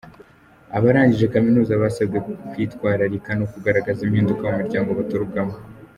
Abarangije Kaminuza basabwe kwitwararika no kugaragaza impinduka mu miryango baturukamo.